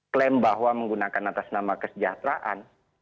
klaim bahwa menggunakan atas nama kesejahteraan